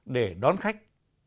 để đón khách